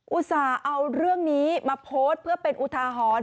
อุตส่าห์เอาเรื่องนี้มาโพสต์เพื่อเป็นอุทาหรณ์